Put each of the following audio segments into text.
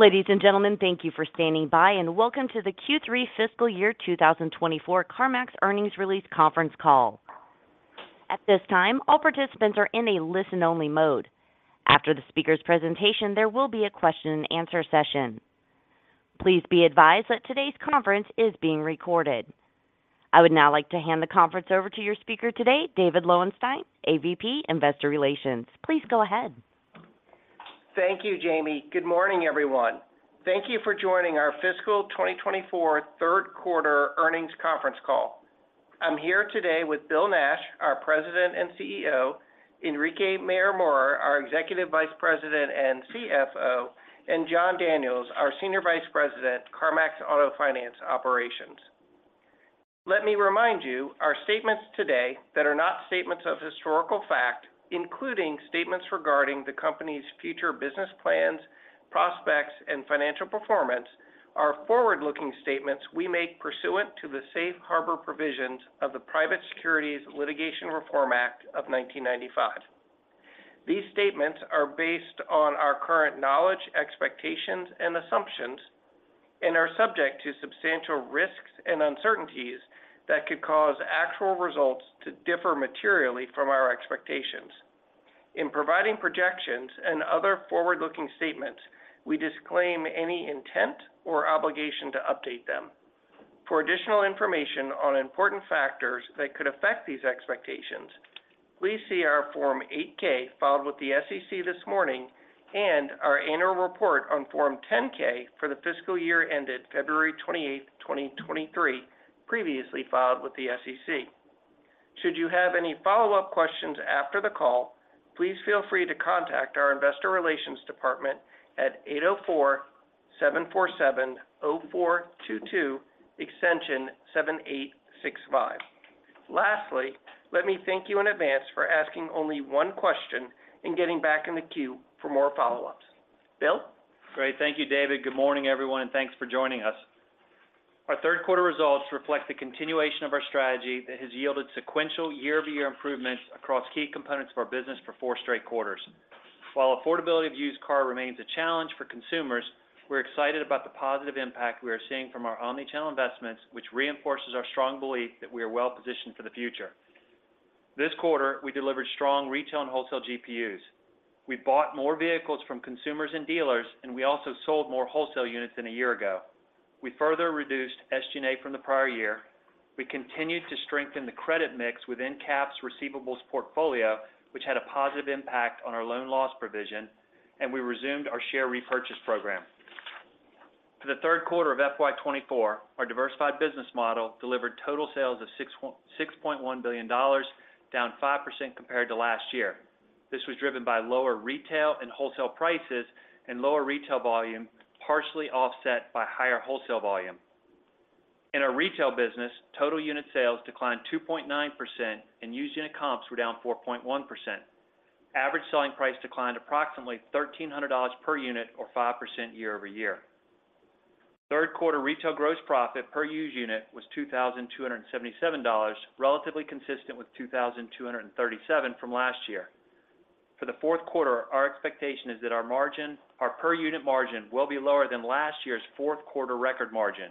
Ladies and gentlemen, thank you for standing by, and welcome to the Q3 fiscal year 2024 CarMax earnings release conference call. At this time, all participants are in a listen-only mode. After the speaker's presentation, there will be a question-and-answer session. Please be advised that today's conference is being recorded. I would now like to hand the conference over to your speaker today, David Lowenstein, AVP, Investor Relations. Please go ahead. Thank you, Jamie. Good morning, everyone. Thank you for joining our fiscal 2024 third quarter earnings conference call. I'm here today with Bill Nash, our President and CEO, Enrique Mayor-Mora, our Executive Vice President and CFO, and Jon Daniels, our Senior Vice President, CarMax Auto Finance Operations. Let me remind you, our statements today that are not statements of historical fact, including statements regarding the company's future business plans, prospects, and financial performance, are forward-looking statements we make pursuant to the safe harbor provisions of the Private Securities Litigation Reform Act of 1995. These statements are based on our current knowledge, expectations, and assumptions, and are subject to substantial risks and uncertainties that could cause actual results to differ materially from our expectations. In providing projections and other forward-looking statements, we disclaim any intent or obligation to update them. For additional information on important factors that could affect these expectations, please see our Form 8-K, filed with the SEC this morning, and our annual report on Form 10-K for the fiscal year ended February 28, 2023, previously filed with the SEC. Should you have any follow-up questions after the call, please feel free to contact our investor relations department at 804-747-0422, extension 7865. Lastly, let me thank you in advance for asking only one question and getting back in the queue for more follow-ups. Bill? Great. Thank you, David. Good morning, everyone, and thanks for joining us. Our third quarter results reflect the continuation of our strategy that has yielded sequential year-over-year improvements across key components of our business for four straight quarters. While affordability of used car remains a challenge for consumers, we're excited about the positive impact we are seeing from our omni-channel investments, which reinforces our strong belief that we are well-positioned for the future. This quarter, we delivered strong retail and wholesale GPUs. We bought more vehicles from consumers and dealers, and we also sold more wholesale units than a year ago. We further reduced SG&A from the prior year. We continued to strengthen the credit mix within CAF's receivables portfolio, which had a positive impact on our loan loss provision, and we resumed our share repurchase program. For the third quarter of FY 2024, our diversified business model delivered total sales of $6.1 billion, down 5% compared to last year. This was driven by lower retail and wholesale prices and lower retail volume, partially offset by higher wholesale volume. In our retail business, total unit sales declined 2.9%, and used unit comps were down 4.1%. Average selling price declined approximately $1,300 per unit or 5% year-over-year. Third quarter retail gross profit per used unit was $2,277, relatively consistent with $2,237 from last year. For the fourth quarter, our expectation is that our margin, our per-unit margin will be lower than last year's fourth quarter record margin.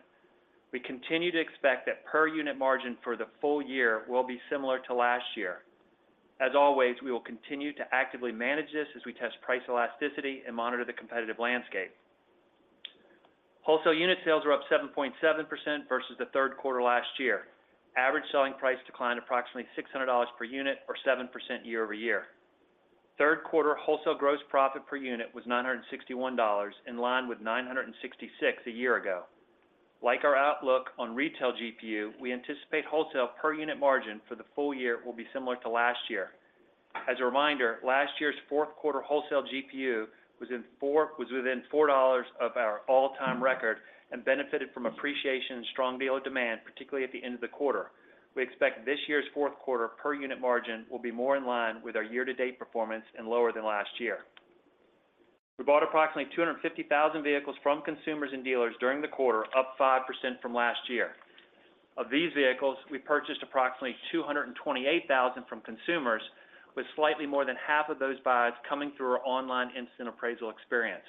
We continue to expect that per-unit margin for the full year will be similar to last year. As always, we will continue to actively manage this as we test price elasticity and monitor the competitive landscape. Wholesale unit sales were up 7.7% versus the third quarter last year. Average selling price declined approximately $600 per unit or 7% year-over-year. Third quarter wholesale gross profit per unit was $961, in line with $966 a year ago. Like our outlook on retail GPU, we anticipate wholesale per-unit margin for the full year will be similar to last year. As a reminder, last year's fourth quarter wholesale GPU was within $4 of our all-time record and benefited from appreciation and strong dealer demand, particularly at the end of the quarter. We expect this year's fourth quarter per-unit margin will be more in line with our year-to-date performance and lower than last year. We bought approximately 250,000 vehicles from consumers and dealers during the quarter, up 5% from last year. Of these vehicles, we purchased approximately 228,000 from consumers, with slightly more than half of those buys coming through our online instant appraisal experience.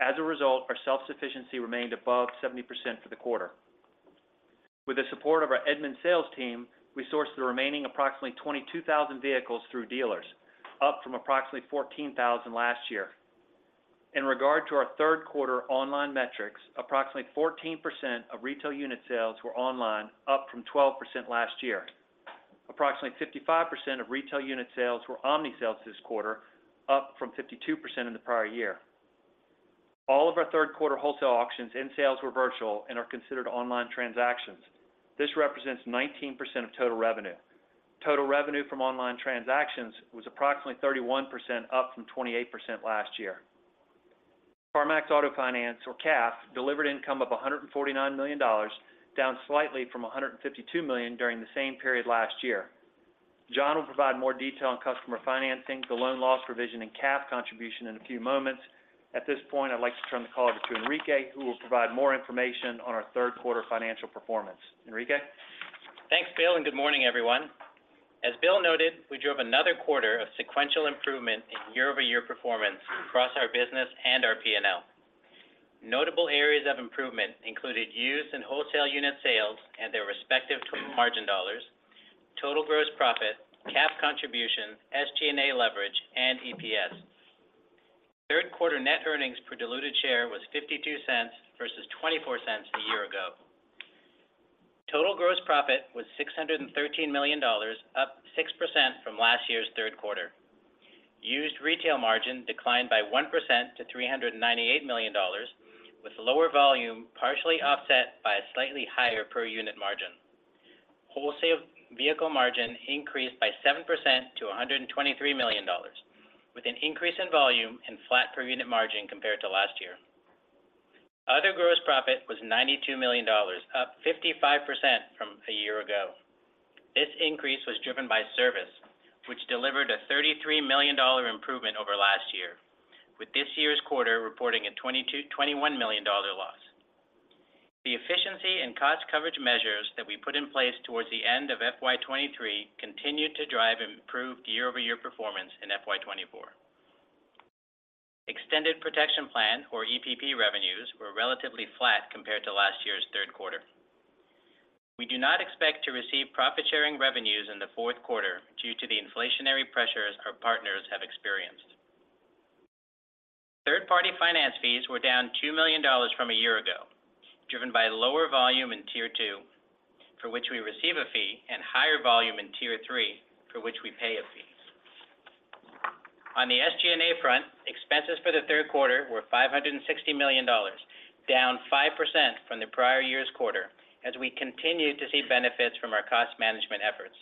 As a result, our self-sufficiency remained above 70% for the quarter. With the support of our Edmunds sales team, we sourced the remaining approximately 22,000 vehicles through dealers, up from approximately 14,000 last year. In regard to our third quarter online metrics, approximately 14% of retail unit sales were online, up from 12% last year. Approximately 55% of retail unit sales were omni-sales this quarter, up from 52% in the prior year. All of our third quarter wholesale auctions and sales were virtual and are considered online transactions. This represents 19% of total revenue. Total revenue from online transactions was approximately 31%, up from 28% last year. CarMax Auto Finance, or CAF, delivered income of $149 million, down slightly from $152 million during the same period last year. Jon will provide more detail on customer financing, the loan loss provision, and CAF contribution in a few moments. At this point, I'd like to turn the call over to Enrique, who will provide more information on our third quarter financial performance. Enrique? Thanks, Bill, and good morning, everyone. ...As Bill noted, we drove another quarter of sequential improvement in year-over-year performance across our business and our P&L. Notable areas of improvement included used and wholesale unit sales and their respective margin dollars, total gross profit, CAF contribution, SG&A leverage, and EPS. Third quarter net earnings per diluted share was $0.52 versus $0.24 a year ago. Total gross profit was $613 million, up 6% from last year's third quarter. Used retail margin declined by 1% to $398 million, with lower volume partially offset by a slightly higher per unit margin. Wholesale vehicle margin increased by 7% to $123 million, with an increase in volume and flat per unit margin compared to last year. Other gross profit was $92 million, up 55% from a year ago. This increase was driven by service, which delivered a $33 million improvement over last year, with this year's quarter reporting a $21 million loss. The efficiency and cost coverage measures that we put in place towards the end of FY 2023 continued to drive improved year-over-year performance in FY 2024. Extended Protection Plan, or EPP revenues, were relatively flat compared to last year's third quarter. We do not expect to receive profit sharing revenues in the fourth quarter due to the inflationary pressures our partners have experienced. Third-party finance fees were down $2 million from a year ago, driven by lower volume in Tier 2, for which we receive a fee, and higher volume in Tier 3, for which we pay a fee. On the SG&A front, expenses for the third quarter were $560 million, down 5% from the prior year's quarter, as we continued to see benefits from our cost management efforts.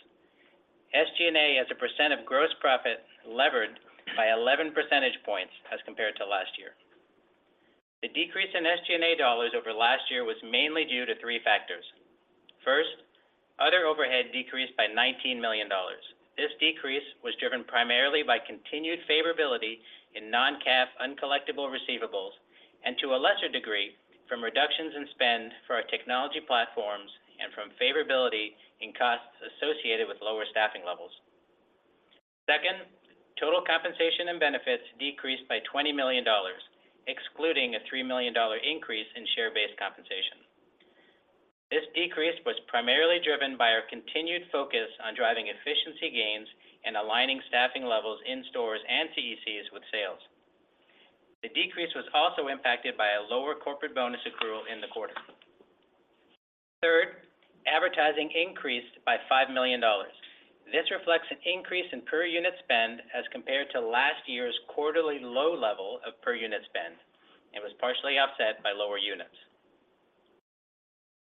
SG&A, as a percent of gross profit, levered by 11 percentage points as compared to last year. The decrease in SG&A dollars over last year was mainly due to three factors. First, other overhead decreased by $19 million. This decrease was driven primarily by continued favorability in non-CAF uncollectible receivables, and to a lesser degree, from reductions in spend for our technology platforms and from favorability in costs associated with lower staffing levels. Second, total compensation and benefits decreased by $20 million, excluding a $3 million increase in share-based compensation. This decrease was primarily driven by our continued focus on driving efficiency gains and aligning staffing levels in stores and CECs with sales. The decrease was also impacted by a lower corporate bonus accrual in the quarter. Third, advertising increased by $5 million. This reflects an increase in per unit spend as compared to last year's quarterly low level of per unit spend, and was partially offset by lower units.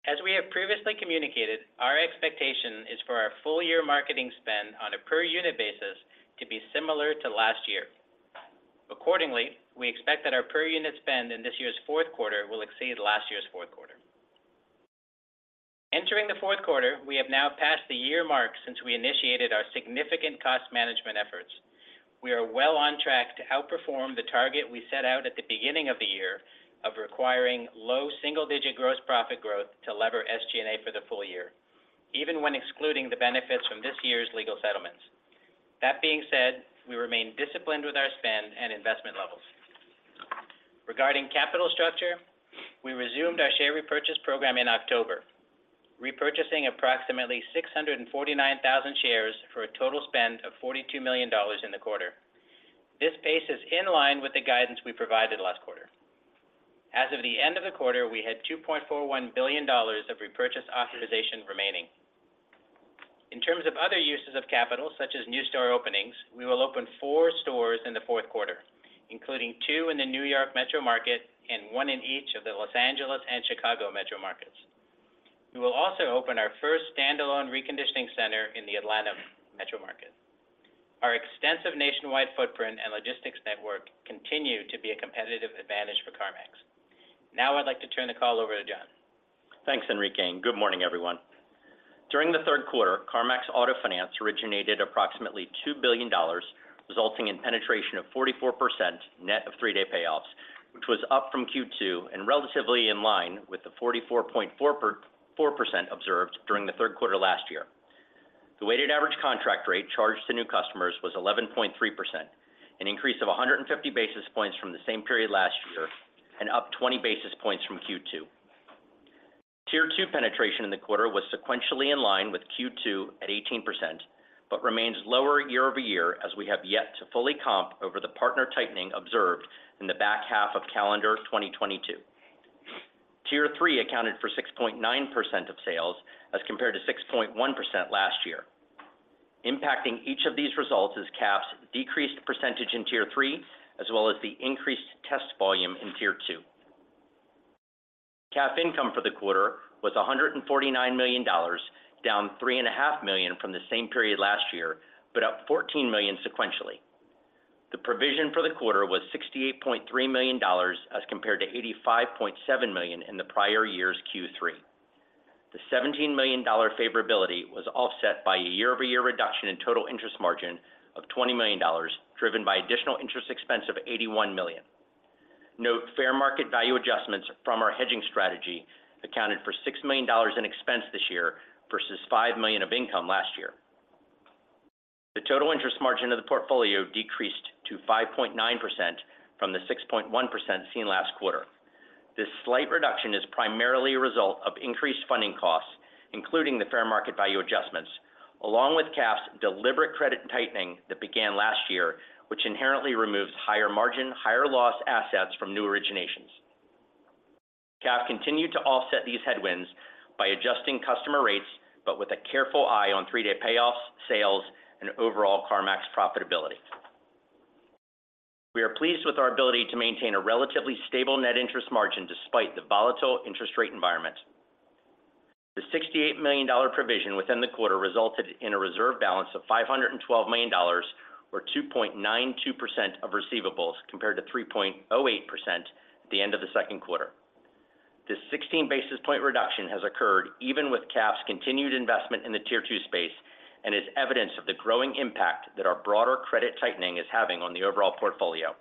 As we have previously communicated, our expectation is for our full year marketing spend on a per unit basis to be similar to last year. Accordingly, we expect that our per unit spend in this year's fourth quarter will exceed last year's fourth quarter. Entering the fourth quarter, we have now passed the year mark since we initiated our significant cost management efforts. We are well on track to outperform the target we set out at the beginning of the year of requiring low single-digit gross profit growth to lever SG&A for the full year, even when excluding the benefits from this year's legal settlements. That being said, we remain disciplined with our spend and investment levels. Regarding capital structure, we resumed our share repurchase program in October, repurchasing approximately 649,000 shares for a total spend of $42 million in the quarter. This pace is in line with the guidance we provided last quarter. As of the end of the quarter, we had $2.41 billion of repurchase authorization remaining. In terms of other uses of capital, such as new store openings, we will open four stores in the fourth quarter, including two in the New York metro market and one in each of the Los Angeles and Chicago metro markets. We will also open our first standalone reconditioning center in the Atlanta metro market. Our extensive nationwide footprint and logistics network continue to be a competitive advantage for CarMax. Now I'd like to turn the call over to Jon. Thanks, Enrique, and good morning, everyone. During the third quarter, CarMax Auto Finance originated approximately $2 billion, resulting in penetration of 44%, net of three-day payoffs, which was up from Q2 and relatively in line with the 44.4% observed during the third quarter last year. The weighted average contract rate charged to new customers was 11.3%, an increase of 150 basis points from the same period last year and up 20 basis points from Q2. Tier 2 penetration in the quarter was sequentially in line with Q2 at 18%, but remains lower year-over-year as we have yet to fully comp over the partner tightening observed in the back half of calendar 2022. Tier 3 accounted for 6.9% of sales, as compared to 6.1% last year. Impacting each of these results is CAF's decreased percentage in Tier 3, as well as the increased test volume in Tier 2. CAF income for the quarter was $149 million, down $3.5 million from the same period last year, but up $14 million sequentially. The provision for the quarter was $68.3 million, as compared to $85.7 million in the prior year's Q3. The $17 million favorability was offset by a year-over-year reduction in total interest margin of $20 million, driven by additional interest expense of $81 million. Note, fair market value adjustments from our hedging strategy accounted for $6 million in expense this year versus $5 million of income last year. The total interest margin of the portfolio decreased to 5.9% from the 6.1% seen last quarter. This slight reduction is primarily a result of increased funding costs, including the fair market value adjustments, along with CAF's deliberate credit tightening that began last year, which inherently removes higher margin, higher loss assets from new originations. CAF continued to offset these headwinds by adjusting customer rates, but with a careful eye on three-day payoffs, sales, and overall CarMax profitability. We are pleased with our ability to maintain a relatively stable net interest margin despite the volatile interest rate environment. The $68 million provision within the quarter resulted in a reserve balance of $512 million, or 2.92% of receivables, compared to 3.08% at the end of the second quarter. This 16 basis point reduction has occurred even with CAF's continued investment in the Tier 2 space and is evidence of the growing impact that our broader credit tightening is having on the overall portfolio.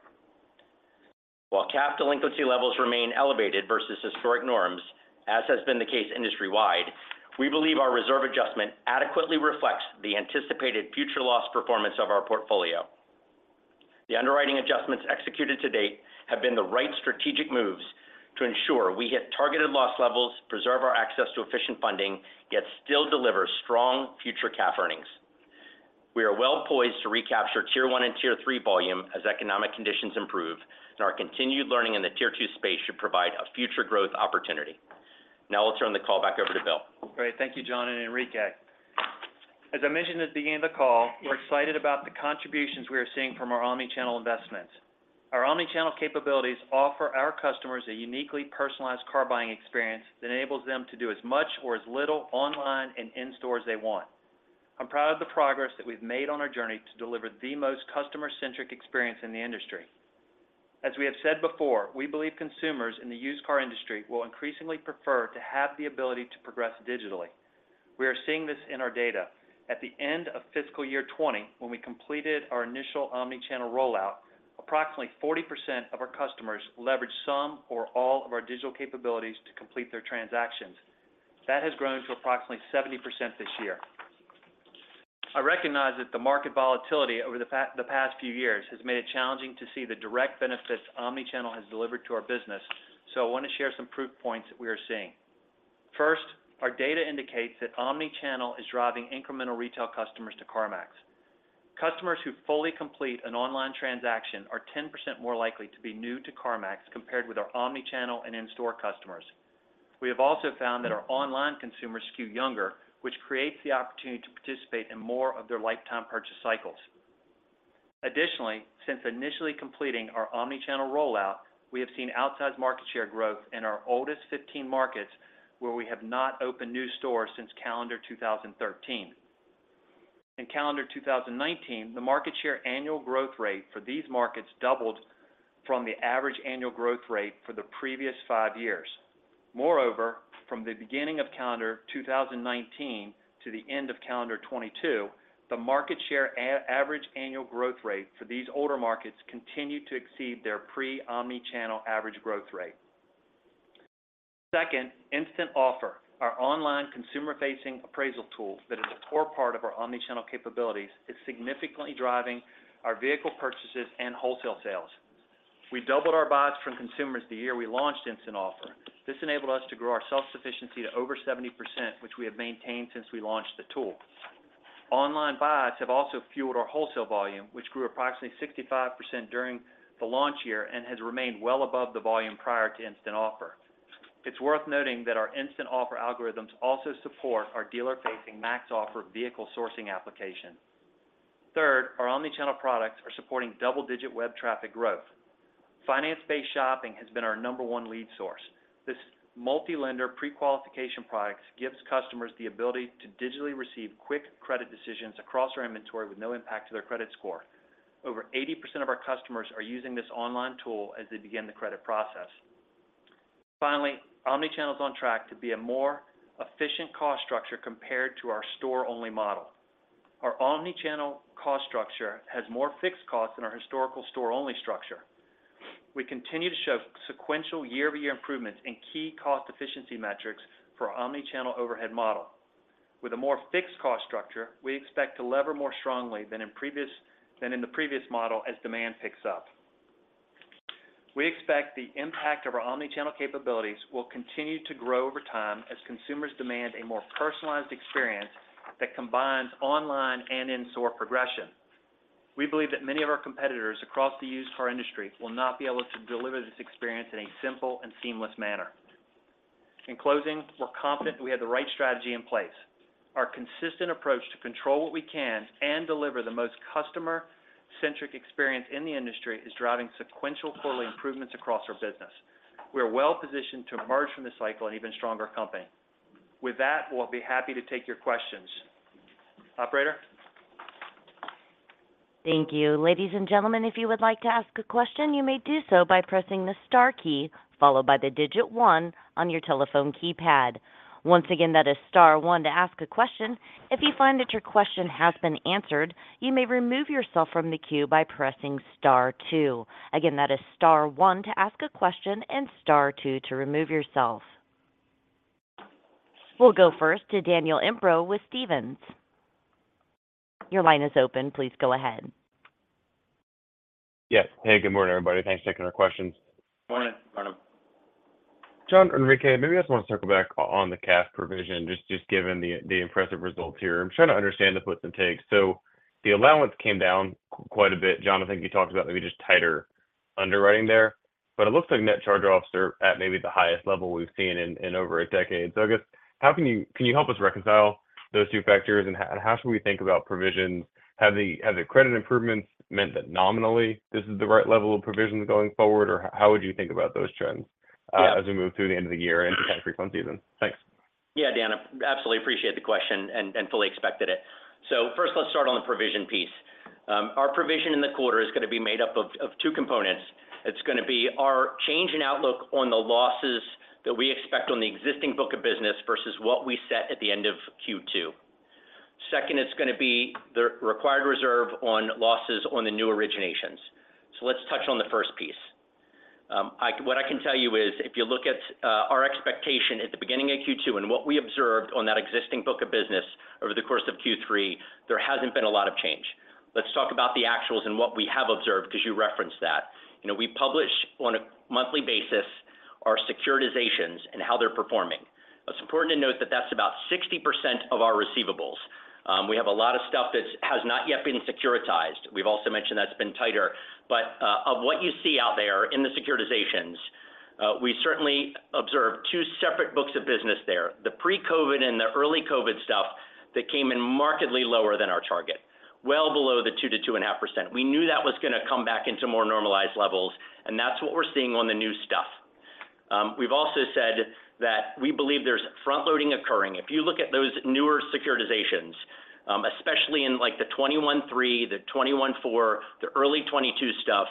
While CAF delinquency levels remain elevated versus historic norms, as has been the case industry-wide, we believe our reserve adjustment adequately reflects the anticipated future loss performance of our portfolio. The underwriting adjustments executed to date have been the right strategic moves to ensure we hit targeted loss levels, preserve our access to efficient funding, yet still deliver strong future CAF earnings. We are well-poised to recapture Tier 1 and Tier 3 volume as economic conditions improve, and our continued learning in the Tier 2 space should provide a future growth opportunity. Now I'll turn the call back over to Bill. Great. Thank you, Jon and Enrique. As I mentioned at the beginning of the call, we're excited about the contributions we are seeing from our omni-channel investments. Our omni-channel capabilities offer our customers a uniquely personalized car buying experience that enables them to do as much or as little online and in-store as they want. I'm proud of the progress that we've made on our journey to deliver the most customer-centric experience in the industry. As we have said before, we believe consumers in the used car industry will increasingly prefer to have the ability to progress digitally. We are seeing this in our data. At the end of fiscal year 2020, when we completed our initial omni-channel rollout, approximately 40% of our customers leveraged some or all of our digital capabilities to complete their transactions. That has grown to approximately 70% this year. I recognize that the market volatility over the past few years has made it challenging to see the direct benefits omni-channel has delivered to our business, so I want to share some proof points that we are seeing. First, our data indicates that omni-channel is driving incremental retail customers to CarMax. Customers who fully complete an online transaction are 10% more likely to be new to CarMax compared with our omni-channel and in-store customers. We have also found that our online consumers skew younger, which creates the opportunity to participate in more of their lifetime purchase cycles. Additionally, since initially completing our omni-channel rollout, we have seen outsized market share growth in our oldest 15 markets, where we have not opened new stores since calendar 2013. In calendar 2019, the market share annual growth rate for these markets doubled from the average annual growth rate for the previous five years. Moreover, from the beginning of calendar 2019 to the end of calendar 2022, the market share average annual growth rate for these older markets continued to exceed their pre-omni-channel average growth rate. Second, Instant Offer, our online consumer-facing appraisal tool that is a core part of our omni-channel capabilities, is significantly driving our vehicle purchases and wholesale sales. We doubled our buys from consumers the year we launched Instant Offer. This enabled us to grow our self-sufficiency to over 70%, which we have maintained since we launched the tool. Online buys have also fueled our wholesale volume, which grew approximately 65% during the launch year and has remained well above the volume prior to Instant Offer. It's worth noting that our Instant Offer algorithms also support our dealer-facing MaxOffer vehicle sourcing application. Third, our omni-channel products are supporting double-digit web traffic growth. Finance-Based Shopping has been our number one lead source. This multi-lender pre-qualification products gives customers the ability to digitally receive quick credit decisions across our inventory with no impact to their credit score. Over 80% of our customers are using this online tool as they begin the credit process. Finally, omni-channel is on track to be a more efficient cost structure compared to our store-only model. Our omni-channel cost structure has more fixed costs than our historical store-only structure. We continue to show sequential year-over-year improvements in key cost efficiency metrics for our omni-channel overhead model. With a more fixed cost structure, we expect to lever more strongly than in the previous model as demand picks up. We expect the impact of our omni-channel capabilities will continue to grow over time as consumers demand a more personalized experience that combines online and in-store progression. We believe that many of our competitors across the used car industry will not be able to deliver this experience in a simple and seamless manner. In closing, we're confident we have the right strategy in place. Our consistent approach to control what we can and deliver the most customer-centric experience in the industry is driving sequential quarterly improvements across our business. We are well-positioned to emerge from this cycle an even stronger company. With that, we'll be happy to take your questions. Operator? Thank you. Ladies and gentlemen, if you would like to ask a question, you may do so by pressing the star key, followed by the digit one on your telephone keypad. Once again, that is star one to ask a question. If you find that your question has been answered, you may remove yourself from the queue by pressing star two. Again, that is star one to ask a question and star two to remove yourself.... We'll go first to Daniel Imbro with Stephens. Your line is open. Please go ahead. Yes. Hey, good morning, everybody. Thanks for taking our questions. Morning. Enrique, maybe I just want to circle back on the CAF provision, just given the impressive results here. I'm trying to understand the puts and takes. So the allowance came down quite a bit. Enrique, I think you talked about maybe just tighter underwriting there, but it looks like net charge-offs are at maybe the highest level we've seen in over a decade. So I guess, how can you—can you help us reconcile those two factors? And how should we think about provisions? Have the credit improvements meant that nominally this is the right level of provisions going forward, or how would you think about those trends as we move through the end of the year into kind of tax refund season? Thanks. Yeah, Dan, I absolutely appreciate the question and, and fully expected it. So first, let's start on the provision piece. Our provision in the quarter is going to be made up of, of two components. It's going to be our change in outlook on the losses that we expect on the existing book of business versus what we set at the end of Q2. Second, it's going to be the required reserve on losses on the new originations. So let's touch on the first piece. What I can tell you is if you look at our expectation at the beginning of Q2 and what we observed on that existing book of business over the course of Q3, there hasn't been a lot of change. Let's talk about the actuals and what we have observed because you referenced that. You know, we publish on a monthly basis our securitizations and how they're performing. It's important to note that that's about 60% of our receivables. We have a lot of stuff that has not yet been securitized. We've also mentioned that's been tighter. But, of what you see out there in the securitizations, we certainly observed two separate books of business there, the pre-COVID and the early COVID stuff that came in markedly lower than our target, well below the 2%-2.5%. We knew that was going to come back into more normalized levels, and that's what we're seeing on the new stuff. We've also said that we believe there's front-loading occurring. If you look at those newer securitizations, especially in, like, the 2021-3, the 2021-4, the early 2022 stuff,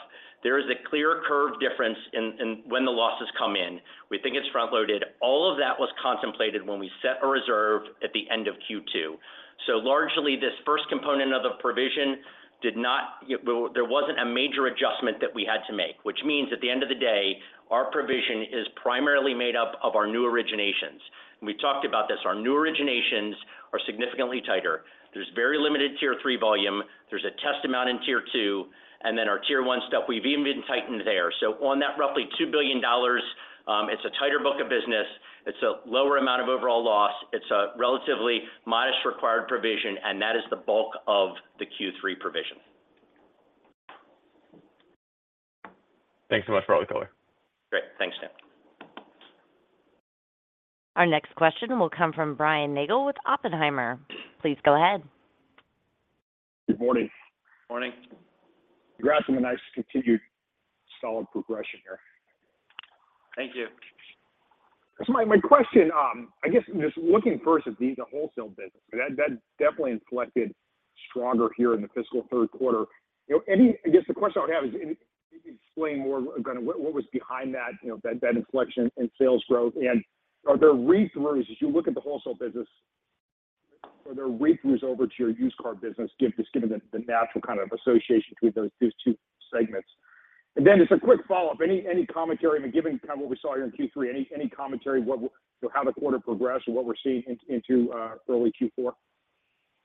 there is a clear curve difference in, in when the losses come in. We think it's front-loaded. All of that was contemplated when we set a reserve at the end of Q2. So largely, this first component of the provision did not. Well, there wasn't a major adjustment that we had to make, which means at the end of the day, our provision is primarily made up of our new originations. And we talked about this. Our new originations are significantly tighter. There's very limited Tier 3 volume, there's a test amount in Tier 2, and then our Tier 1 stuff, we've even been tightened there. On that roughly $2 billion, it's a tighter book of business, it's a lower amount of overall loss, it's a relatively modest required provision, and that is the bulk of the Q3 provision. Thanks so much for all the color. Great. Thanks, Dan. Our next question will come from Brian Nagel with Oppenheimer. Please go ahead. Good morning. Morning. Congrats on the nice continued solid progression here. Thank you. So my question, I guess just looking first at the wholesale business, that definitely inflected stronger here in the fiscal third quarter. You know, I guess the question I would have is, can you explain more kind of what was behind that, you know, that inflection in sales growth? And are there read-throughs, as you look at the wholesale business, are there read-throughs over to your used car business, just given the natural kind of association between those two segments? And then just a quick follow-up, any commentary, I mean, given kind of what we saw here in Q3, any commentary, you know, how the quarter progressed and what we're seeing into early Q4?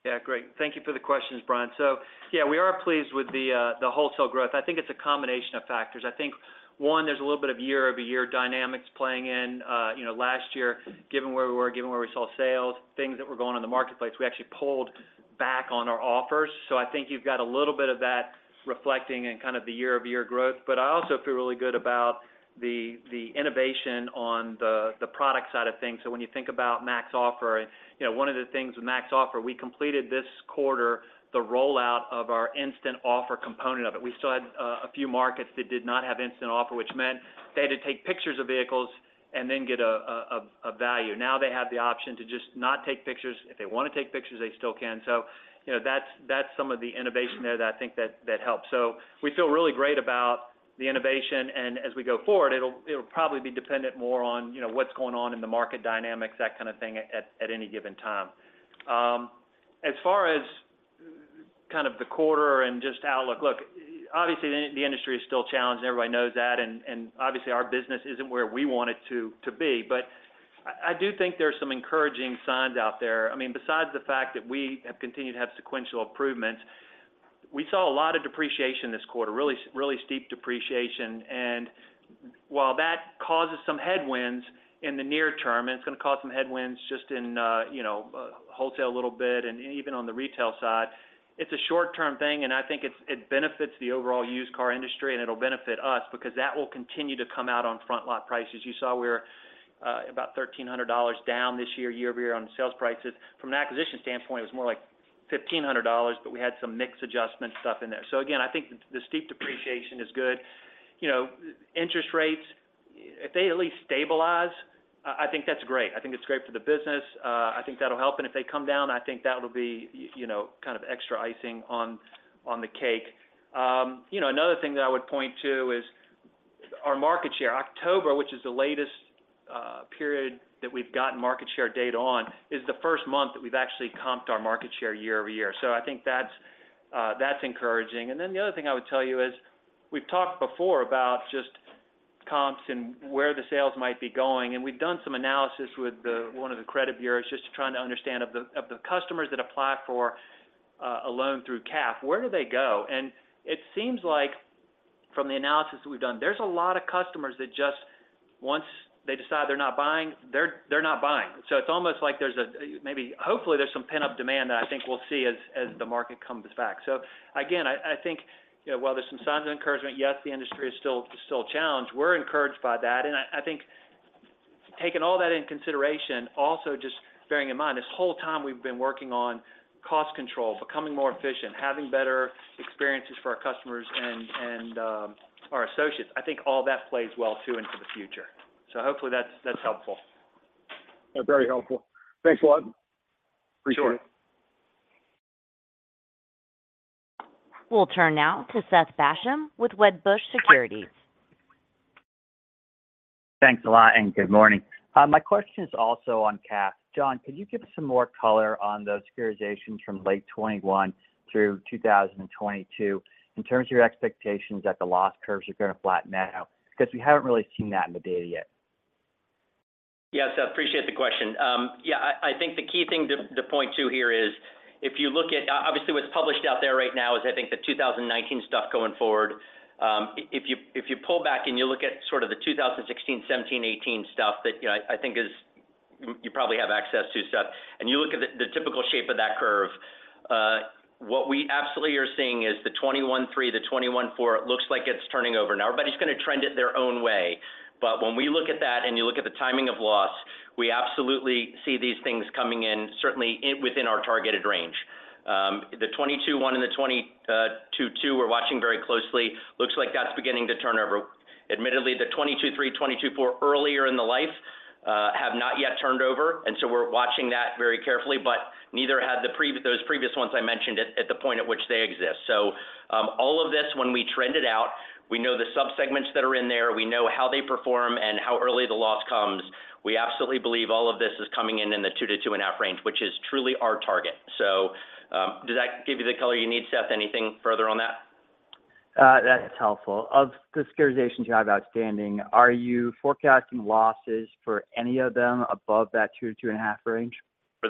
Yeah, great. Thank you for the questions, Brian. So yeah, we are pleased with the the wholesale growth. I think it's a combination of factors. I think, one, there's a little bit of year-over-year dynamics playing in. You know, last year, given where we were, given where we saw sales, things that were going on in the marketplace, we actually pulled back on our offers. So I think you've got a little bit of that reflecting in kind of the year-over-year growth. But I also feel really good about the the innovation on the the product side of things. So when you think about MaxOffer and, you know, one of the things with MaxOffer, we completed this quarter, the rollout of our Instant Offer component of it. We still had a few markets that did not have Instant Offer, which meant they had to take pictures of vehicles and then get a value. Now they have the option to just not take pictures. If they want to take pictures, they still can. So, you know, that's some of the innovation there that I think that helps. So we feel really great about the innovation, and as we go forward, it'll probably be dependent more on, you know, what's going on in the market dynamics, that kind of thing, at any given time. As far as kind of the quarter and just outlook, look, obviously, the industry is still challenged, and everybody knows that, and obviously, our business isn't where we want it to be. But I do think there are some encouraging signs out there. I mean, besides the fact that we have continued to have sequential improvements, we saw a lot of depreciation this quarter, really, really steep depreciation, and while that causes some headwinds in the near term, and it's going to cause some headwinds just in, you know, wholesale a little bit and even on the retail side, it's a short-term thing, and I think it benefits the overall used car industry, and it'll benefit us because that will continue to come out on front lot prices. You saw we were about $1,300 down this year-over-year on sales prices. From an acquisition standpoint, it was more like $1,500, but we had some mix adjustment stuff in there. So again, I think the steep depreciation is good. You know, interest rates, if they at least stabilize, I think that's great. I think it's great for the business. I think that'll help, and if they come down, I think that'll be, you know, kind of extra icing on the cake. You know, another thing that I would point to is our market share. October, which is the latest period that we've gotten market share data on, is the first month that we've actually comped our market share year-over-year. So I think that's encouraging. And then the other thing I would tell you is, we've talked before about comps and where the sales might be going. And we've done some analysis with one of the credit bureaus just to try to understand the customers that apply for a loan through CAF, where do they go? And it seems like from the analysis we've done, there's a lot of customers that just once they decide they're not buying, they're not buying. So it's almost like there's a maybe, hopefully there's some pent-up demand that I think we'll see as the market comes back. So again, I think, you know, while there's some signs of encouragement, yes, the industry is still challenged. We're encouraged by that, and I think taking all that in consideration, also just bearing in mind, this whole time we've been working on cost control, becoming more efficient, having better experiences for our customers and our associates. I think all that plays well, too, into the future. So hopefully that's, that's helpful. Very helpful. Thanks a lot. Appreciate it. Sure. We'll turn now to Seth Basham with Wedbush Securities. Thanks a lot, and good morning. My question is also on CAF. Jon, could you give us some more color on those securitizations from late 2021 through 2022, in terms of your expectations that the loss curves are going to flatten out? Because we haven't really seen that in the data yet. Yeah, Seth, appreciate the question. Yeah, I, I think the key thing to, to point to here is if you look at... Obviously, what's published out there right now is, I think, the 2019 stuff going forward. If you, if you pull back and you look at sort of the 2016, 2017, 2018 stuff that, you know, I, I think is, you, you probably have access to, Seth, and you look at the, the typical shape of that curve, what we absolutely are seeing is the 2021-3, the 2021-4, it looks like it's turning over. Now, everybody's going to trend it their own way, but when we look at that and you look at the timing of loss, we absolutely see these things coming in, certainly within our targeted range. The 2022-1 and the 2022-2, we're watching very closely. Looks like that's beginning to turn over. Admittedly, the 2022-3, 2022-4 earlier in the life have not yet turned over, and so we're watching that very carefully, but neither had those previous ones I mentioned at the point at which they exist. So, all of this, when we trend it out, we know the subsegments that are in there, we know how they perform and how early the loss comes. We absolutely believe all of this is coming in in the 2-2.5 range, which is truly our target. So, does that give you the color you need, Seth? Anything further on that? That's helpful. Of the securitizations you have outstanding, are you forecasting losses for any of them above that 2-2.5 range? No, for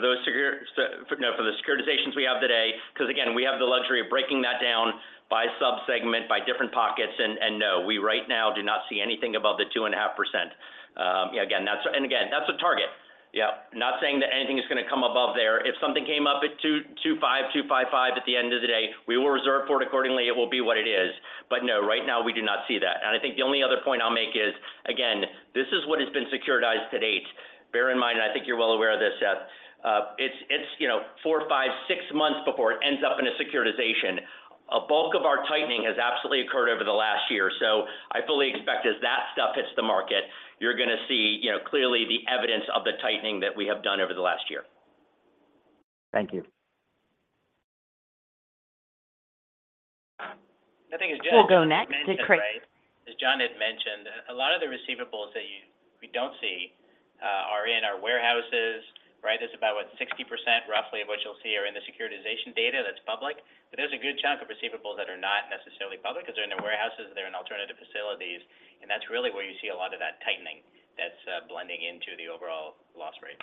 the securitizations we have today, because again, we have the luxury of breaking that down by subsegment, by different pockets, and no, we right now do not see anything above the 2.5%. Yeah, again, that's, and again, that's a target. Yeah. Not saying that anything is going to come above there. If something came up at 2.25, 2.55 at the end of the day, we will reserve for it accordingly. It will be what it is. But no, right now, we do not see that. And I think the only other point I'll make is, again, this is what has been securitized to date. Bear in mind, and I think you're well aware of this, Seth, it's you know, four, five, six months before it ends up in a securitization. A bulk of our tightening has absolutely occurred over the last year. So I fully expect as that stuff hits the market, you're going to see, you know, clearly the evidence of the tightening that we have done over the last year. Thank you. I think as Jon- We'll go next to Craig. As Jon had mentioned, a lot of the receivables that we don't see are in our warehouses, right? There's about, what, 60% roughly of what you'll see are in the securitization data that's public, but there's a good chunk of receivables that are not necessarily public because they're in the warehouses, they're in alternative facilities, and that's really where you see a lot of that tightening that's blending into the overall loss rate.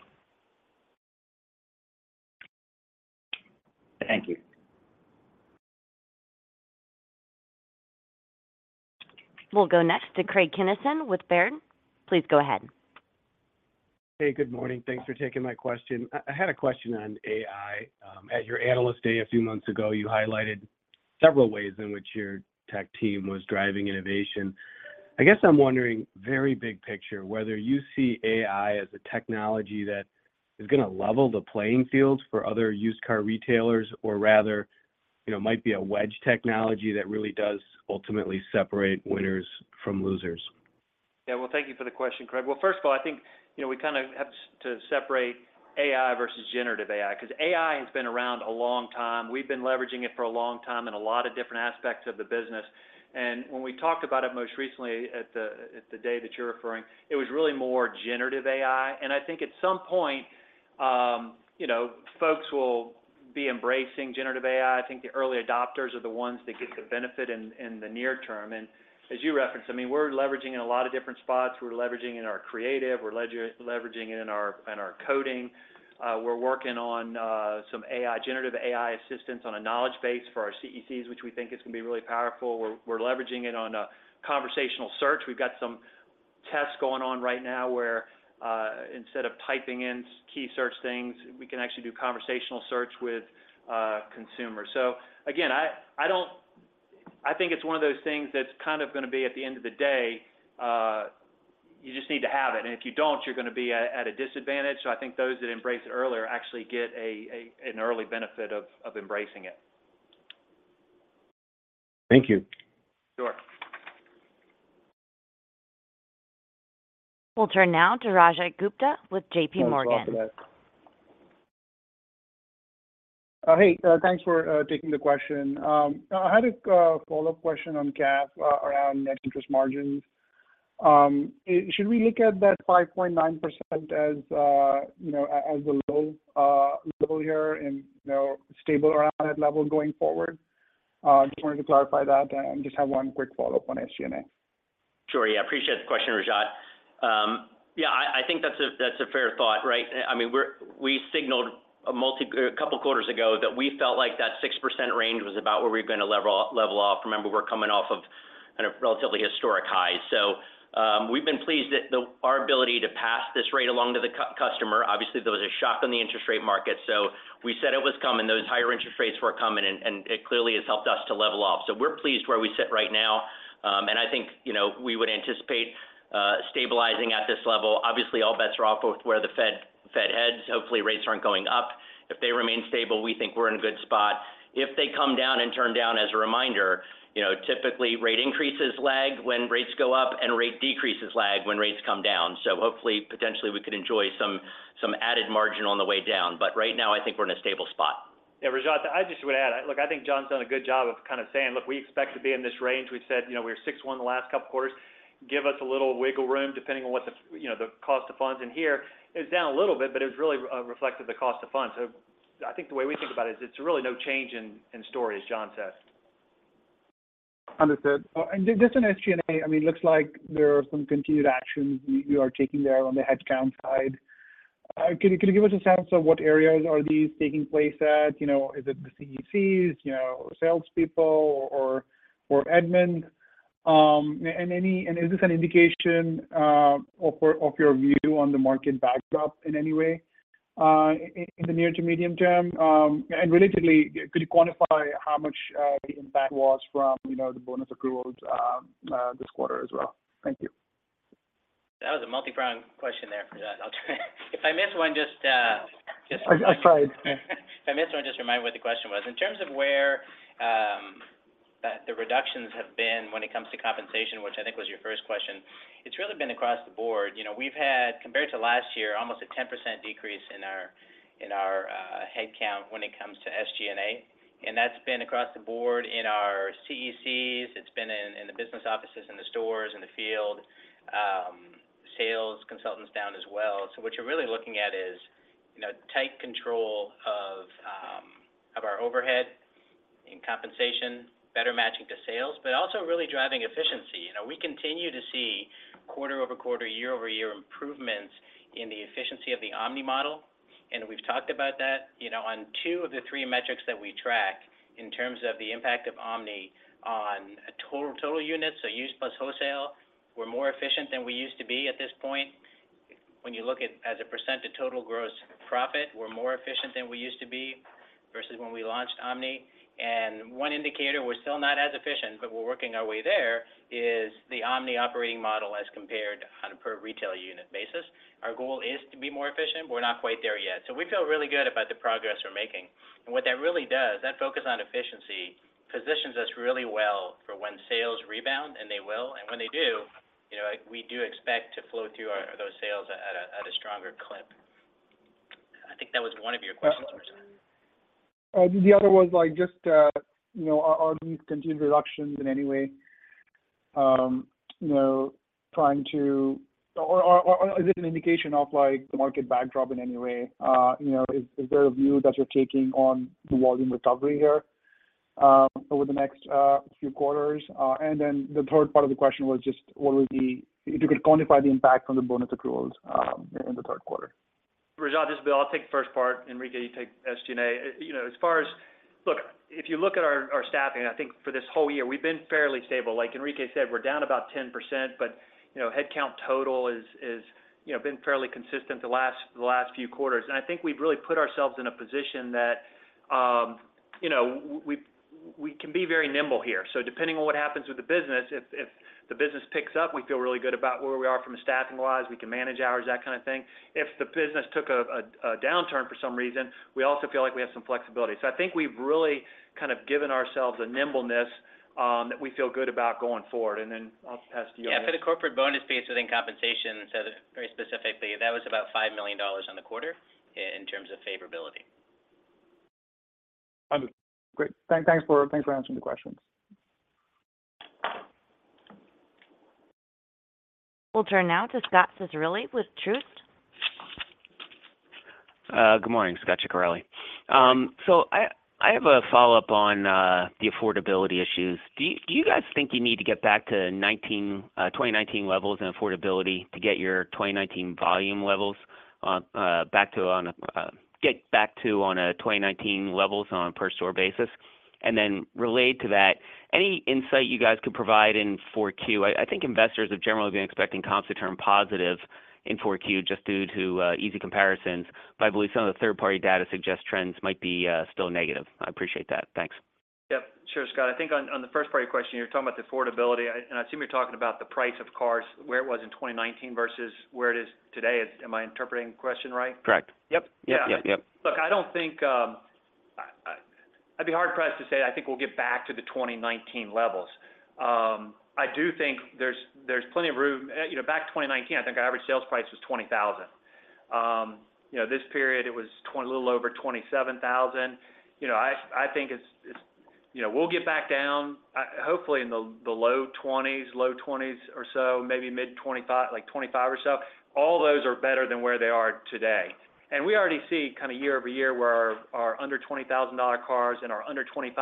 Thank you. We'll go next to Craig Kennison with Baird. Please go ahead. Hey, good morning. Thanks for taking my question. I had a question on AI. At your Analyst Day a few months ago, you highlighted several ways in which your tech team was driving innovation. I guess I'm wondering, very big picture, whether you see AI as a technology that is going to level the playing field for other used car retailers, or rather, you know, might be a wedge technology that really does ultimately separate winners from losers? Yeah. Well, thank you for the question, Craig. Well, first of all, I think, you know, we kind of have to separate AI versus generative AI, because AI has been around a long time. We've been leveraging it for a long time in a lot of different aspects of the business. And when we talked about it most recently at the day that you're referring, it was really more generative AI. And I think at some point, you know, folks will be embracing generative AI. I think the early adopters are the ones that get the benefit in the near term. And as you referenced, I mean, we're leveraging in a lot of different spots. We're leveraging it in our creative, we're leveraging it in our coding. We're working on some AI, generative AI assistance on a knowledge base for our CECs, which we think is going to be really powerful. We're leveraging it on a conversational search. We've got some tests going on right now where, instead of typing in key search things, we can actually do conversational search with consumers. So again, I think it's one of those things that's kind of going to be at the end of the day, you just need to have it, and if you don't, you're going to be at a disadvantage. So I think those that embrace it earlier actually get an early benefit of embracing it. Thank you. Sure. We'll turn now to Rajat Gupta with JPMorgan. Hey, thanks for taking the question. I had a follow-up question on CAF, around net interest margins. Should we look at that 5.9% as, you know, as a low, low here and, you know, stable around that level going forward? Just wanted to clarify that, and just have one quick follow-up on SG&A. Sure, yeah. I appreciate the question, Rajat. Yeah, I think that's a fair thought, right? I mean, we signaled a couple quarters ago that we felt like that 6% range was about where we were gonna level off, level off. Remember, we're coming off of at a relatively historic high. So, we've been pleased that our ability to pass this rate along to the customer. Obviously, there was a shock on the interest rate market, so we said it was coming, those higher interest rates were coming, and it clearly has helped us to level off. So we're pleased where we sit right now, and I think, you know, we would anticipate stabilizing at this level. Obviously, all bets are off with where the Fed heads. Hopefully, rates aren't going up. If they remain stable, we think we're in a good spot. If they come down and turn down, as a reminder, you know, typically, rate increases lag when rates go up, and rate decreases lag when rates come down. So hopefully, potentially, we could enjoy some, some added margin on the way down. But right now, I think we're in a stable spot. Yeah, Rajat, I just would add, look, I think Jon's done a good job of kind of saying, "Look, we expect to be in this range." We've said, you know, we're 6.1 the last couple quarters. Give us a little wiggle room, depending on what the, you know, the cost of funds in here. It's down a little bit, but it's really reflected the cost of funds. So I think the way we think about it, it's really no change in story, as Jon said. Understood. And just on SG&A, I mean, looks like there are some continued actions you are taking there on the headcount side. Can you give us a sense of what areas are these taking place at? You know, is it the CECs, you know, or salespeople or admin? And is this an indication of your view on the market backdrop in any way, in the near to medium term? And relatively, could you quantify how much the impact was from, you know, the bonus accruals, this quarter as well? Thank you. That was a multi-pronged question there, Rajat. If I miss one, just, just- I tried. If I miss one, just remind me what the question was. In terms of where the reductions have been when it comes to compensation, which I think was your first question, it's really been across the board. You know, we've had, compared to last year, almost a 10% decrease in our headcount when it comes to SG&A, and that's been across the board in our CECs, it's been in the business offices, in the stores, in the field, sales consultants down as well. So what you're really looking at is, you know, tight control of our overhead and compensation, better matching to sales, but also really driving efficiency. You know, we continue to see quarter-over-quarter, year-over-year improvements in the efficiency of the omni model, and we've talked about that. You know, on two of the three metrics that we track in terms of the impact of omni on total, total units, so used plus wholesale, we're more efficient than we used to be at this point. When you look at as a percent of total gross profit, we're more efficient than we used to be versus when we launched omni. And one indicator, we're still not as efficient, but we're working our way there, is the omni operating model as compared on a per retail unit basis. Our goal is to be more efficient, but we're not quite there yet. So we feel really good about the progress we're making. And what that really does, that focus on efficiency positions us really well for when sales rebound, and they will. When they do, you know, we do expect to flow through those sales at a stronger clip. I think that was one of your questions, Rajat. The other was like just, you know, are these continued reductions in any way, you know, trying to... Or is it an indication of, like, the market backdrop in any way? You know, is there a view that you're taking on the volume recovery here, over the next few quarters? And then the third part of the question was just what would be if you could quantify the impact on the bonus accruals in the third quarter. Rajat, this is Bill. I'll take the first part, Enrique, you take SG&A. You know, as far as... Look, if you look at our staffing, I think for this whole year, we've been fairly stable. Like Enrique said, we're down about 10%, but, you know, headcount total is, is, you know, been fairly consistent the last few quarters. And I think we've really put ourselves in a position that, you know, we can be very nimble here. So depending on what happens with the business, if the business picks up, we feel really good about where we are from a staffing-wise, we can manage hours, that kind of thing. If the business took a downturn for some reason, we also feel like we have some flexibility. So I think we've really kind of given ourselves a nimbleness, that we feel good about going forward, and then I'll pass it to you, Enrique. Yeah, for the corporate bonus piece within compensation, so very specifically, that was about $5 million on the quarter in terms of favorability. Understood. Great. Thanks for answering the questions. We'll turn now to Scot Ciccarelli with Truist. Good morning, Scot Ciccarelli. So I have a follow-up on the affordability issues. Do you guys think you need to get back to 2019 levels in affordability to get your 2019 volume levels back to on a get back to on a 2019 levels on a per store basis? And then related to that, any insight you guys could provide in 4Q? I think investors have generally been expecting comp to turn positive in 4Q, just due to easy comparisons. But I believe some of the third-party data suggests trends might be still negative. I appreciate that. Thanks. Yep. Sure, Scot. I think on, on the first part of your question, you're talking about the affordability, and I assume you're talking about the price of cars, where it was in 2019 versus where it is today. Am I interpreting the question right? Correct. Yep. Yeah. Yep, yep. Look, I don't think, I'd be hard pressed to say I think we'll get back to the 2019 levels. I do think there's plenty of room. You know, back in 2019, I think our average sales price was $20,000. You know, this period it was a little over $27,000. You know, I think it's, you know, we'll get back down, hopefully in the low $20,000s, low $20,000s or so, maybe mid-$25,000s, like $25,000 or so. All those are better than where they are today. And we already see kind of year-over-year, where our under $20,000 cars and our under $25,000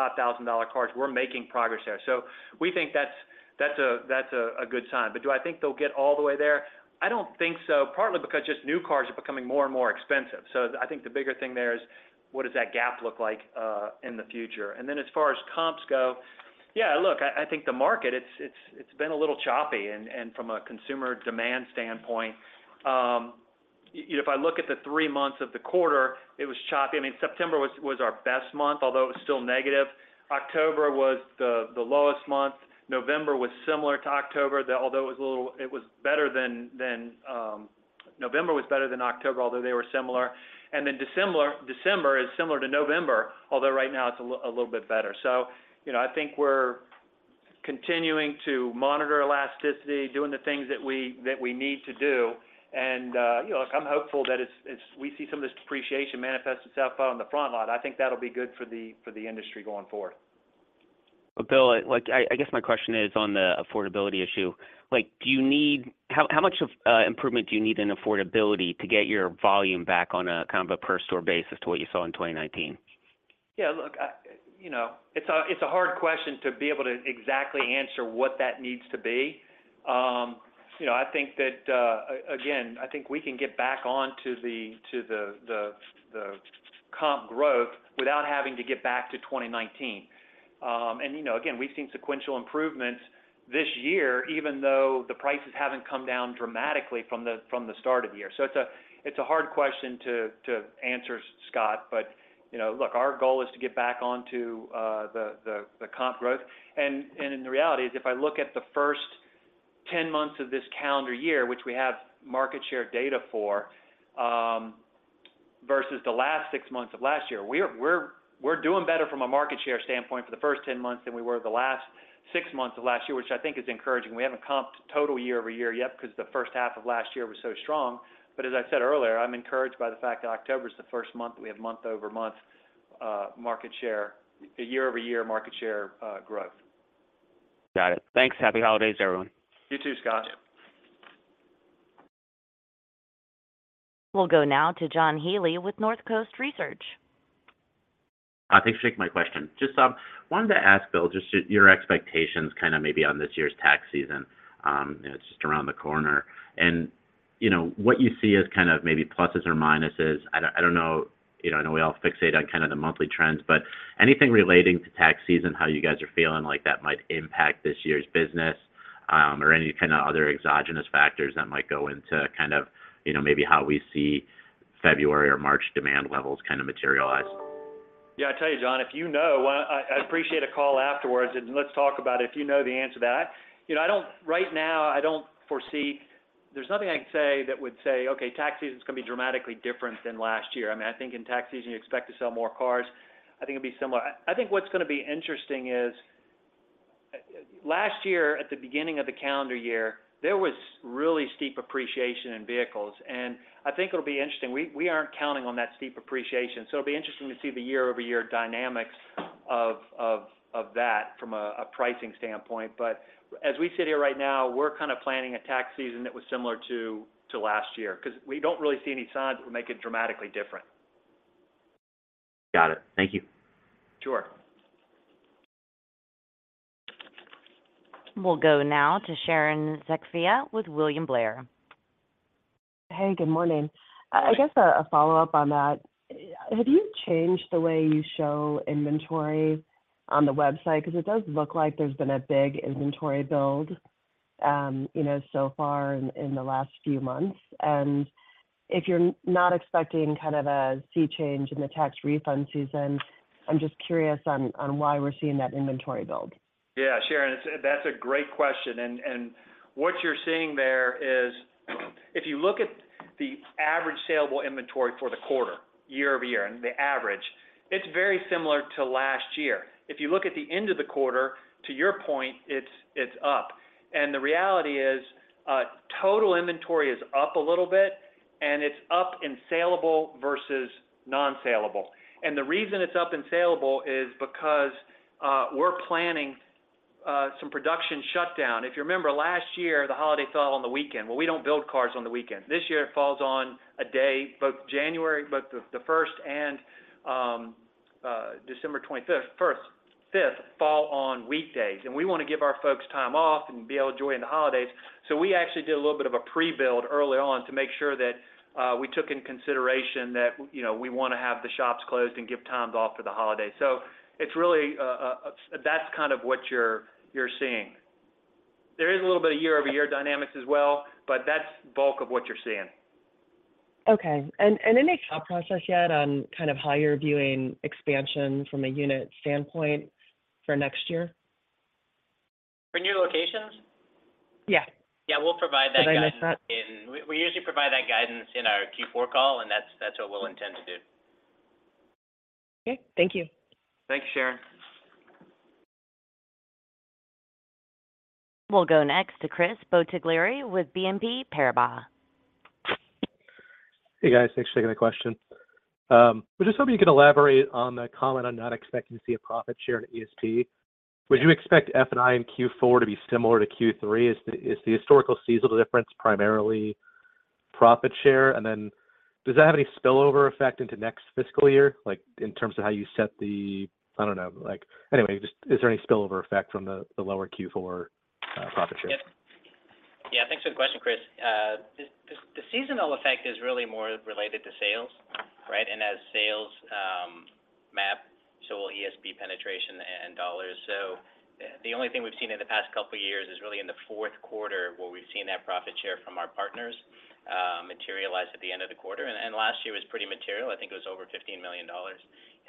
cars, we're making progress there. So we think that's a good sign. But do I think they'll get all the way there? I don't think so, partly because just new cars are becoming more and more expensive. So I think the bigger thing there is: what does that gap look like in the future? And then as far as comps go, yeah, look, I think the market, it's been a little choppy and from a consumer demand standpoint, you know, if I look at the three months of the quarter, it was choppy. I mean, September was our best month, although it was still negative. October was the lowest month. November was similar to October, although it was a little... It was better than November was better than October, although they were similar. And then December is similar to November, although right now it's a little bit better. So, you know, I think we're continuing to monitor elasticity, doing the things that we need to do. And, you know, look, I'm hopeful that it's we see some of this depreciation manifest itself out on the front lot. I think that'll be good for the industry going forward. But Bill, like, I guess my question is on the affordability issue. Like, do you need... How much of improvement do you need in affordability to get your volume back on a kind of a per store basis to what you saw in 2019? Yeah, look, you know, it's a hard question to be able to exactly answer what that needs to be. You know, I think that again, I think we can get back on to the comp growth without having to get back to 2019. And, you know, again, we've seen sequential improvements this year, even though the prices haven't come down dramatically from the start of the year. So it's a hard question to answer, Scot. But, you know, look, our goal is to get back onto the comp growth. The reality is, if I look at the first 10 months of this calendar year, which we have market share data for, versus the last six months of last year, we're doing better from a market share standpoint for the first 10 months than we were the last six months of last year, which I think is encouraging. We haven't comped total year-over-year yet, because the first half of last year was so strong. But as I said earlier, I'm encouraged by the fact that October is the first month we have month-over-month year-over-year market share growth. Got it. Thanks. Happy holidays, everyone. You too, Scot. We'll go now to John Healy with Northcoast Research. Thanks for taking my question. Just wanted to ask, Bill, just your expectations kind of maybe on this year's tax season. It's just around the corner, and, you know, what you see as kind of maybe pluses or minuses. I don't know, you know, I know we all fixate on kind of the monthly trends, but anything relating to tax season, how you guys are feeling like that might impact this year's business, or any kind of other exogenous factors that might go into kind of, you know, maybe how we see February or March demand levels kind of materialize? Yeah, I tell you, John, if you know, I'd appreciate a call afterwards, and let's talk about it if you know the answer to that. You know, I don't-- right now, I don't foresee... There's nothing I can say that would say, "Okay, tax season is going to be dramatically different than last year." I mean, I think in tax season, you expect to sell more cars. I think it'll be similar. I think what's going to be interesting is, last year, at the beginning of the calendar year, there was really steep appreciation in vehicles, and I think it'll be interesting. We aren't counting on that steep appreciation, so it'll be interesting to see the year-over-year dynamics of that from a pricing standpoint. As we sit here right now, we're kind of planning a tax season that was similar to, to last year, because we don't really see any signs that would make it dramatically different. Got it. Thank you. Sure. We'll go now to Sharon Zackfia with William Blair. Hey, good morning. I guess a follow-up on that. Have you changed the way you show inventory on the website? Because it does look like there's been a big inventory build, you know, so far in the last few months. If you're not expecting kind of a sea change in the tax refund season, I'm just curious on why we're seeing that inventory build. Yeah, Sharon, it's a, that's a great question. And what you're seeing there is, if you look at the average salable inventory for the quarter year-over-year, and the average, it's very similar to last year. If you look at the end of the quarter, to your point, it's up. And the reality is, total inventory is up a little bit, and it's up in salable versus non-salable. And the reason it's up in salable is because we're planning some production shutdown. If you remember last year, the holiday fell on the weekend. Well, we don't build cars on the weekend. This year, it falls on a day, both January, both the 1st and December 25, 1st, 5th, fall on weekdays. And we want to give our folks time off and be able to enjoy the holidays. So we actually did a little bit of a pre-build early on to make sure that, we took into consideration that, you know, we want to have the shops closed and give times off for the holiday. So it's really, that's kind of what you're seeing. There is a little bit of year-over-year dynamics as well, but that's bulk of what you're seeing. Okay. Any thought process yet on kind of how you're viewing expansion from a unit standpoint for next year? For new locations? Yeah. Yeah, we'll provide that guidance in- Did I miss that?... We usually provide that guidance in our Q4 call, and that's what we'll intend to do. Okay, thank you. Thanks, Sharon. We'll go next to Chris Bottiglieri with BNP Paribas.... Hey, guys, thanks for taking the question. I was just hoping you could elaborate on the comment on not expecting to see a profit share in EPS. Would you expect F&I in Q4 to be similar to Q3? Is the historical seasonal difference primarily profit share? And then does that have any spillover effect into next fiscal year, like, in terms of how you set the—Anyway, just is there any spillover effect from the lower Q4 profit share? Yeah. Thanks for the question, Chris. The seasonal effect is really more related to sales, right? And as sales map, so will ESP penetration and dollars. So the only thing we've seen in the past couple of years is really in the fourth quarter, where we've seen that profit share from our partners materialize at the end of the quarter. And last year was pretty material. I think it was over $15 million.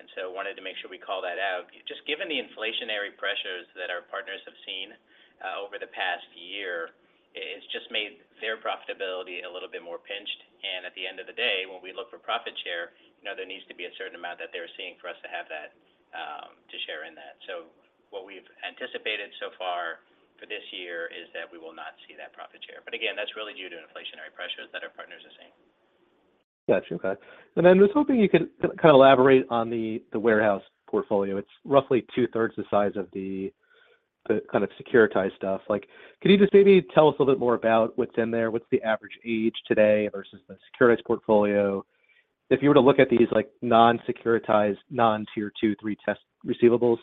And so I wanted to make sure we call that out. Just given the inflationary pressures that our partners have seen over the past year, it's just made their profitability a little bit more pinched. At the end of the day, when we look for profit share, you know, there needs to be a certain amount that they're seeing for us to have that, to share in that. What we've anticipated so far for this year is that we will not see that profit share. Again, that's really due to inflationary pressures that our partners are seeing. Got you. Okay. And then I was hoping you could kind of elaborate on the warehouse portfolio. It's roughly two-thirds the size of the securitized stuff. Like, could you just maybe tell us a little bit more about what's in there? What's the average age today versus the securitized portfolio? If you were to look at these, like, non-securitized, non-Tier 2, 3 test receivables,